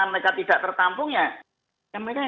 mereka tidak tertampung ya